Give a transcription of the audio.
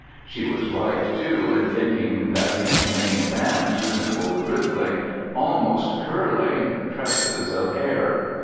She was right, too, in thinking that these main bands resembled rippling almost curling tresses of hair.